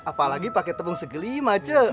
apalagi pake tepung segelima ce